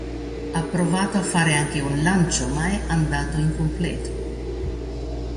Ha provato a fare anche un lancio ma è andato incompleto.